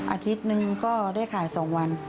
อาทิตย์หนึ่งก็ได้ขาย๒วัน